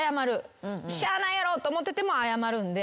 しゃあないやろと思ってても謝るんで。